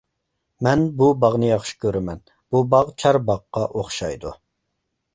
مەن بۇ باغنى ياخشى كۆرىمەن، بۇ باغ چارباغقا ئوخشايدۇ.